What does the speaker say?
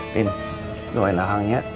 tin doainlah kangnya